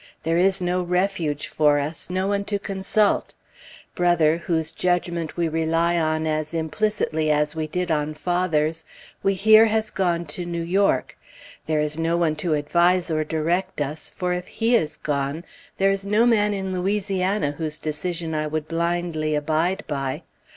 There is no refuge for us, no one to consult. Brother, whose judgment we rely on as implicitly as we did on father's, we hear has gone to New York; there is no one to advise or direct us, for, if he is gone, there is no man in Louisiana whose decision I would blindly abide by.